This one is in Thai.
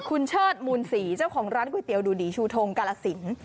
คุณเชิดมูลศรีเจ้าของร้านก๋วยเตี๋ยวดูดีชูทงกาลสิน